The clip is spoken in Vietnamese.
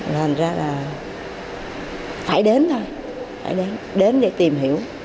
nên ra là phải đến thôi phải đến để tìm hiểu